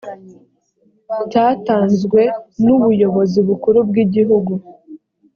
cyatanzwe n ubuyobozi bukuru bw igihugu